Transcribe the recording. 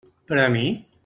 Per a mi?